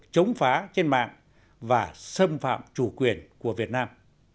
chống phá trên mạng và xâm phạm chủ quyền của việt nam